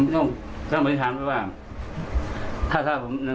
นอนได้ไหมลองนอน